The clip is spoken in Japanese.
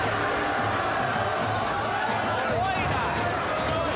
すごいな！